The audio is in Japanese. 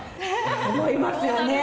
思いますよね。